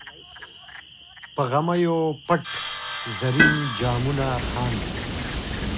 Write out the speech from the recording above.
په غمیو پټ زرین جامونه خاندي